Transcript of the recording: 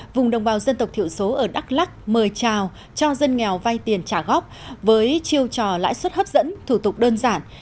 vùng đồng bào dân tộc thiểu số ở đắk lắc mời trào cho dân nghèo vay tiền trả góp với chiêu trò lãi suất hấp dẫn thủ tục đơn giản